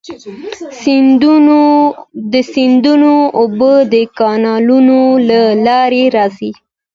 د سیندونو اوبه د کانالونو له لارې راځي.